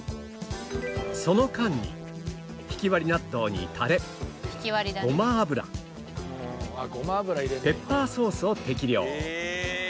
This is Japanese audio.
その間にひきわり納豆にタレごま油ペッパーソースを適量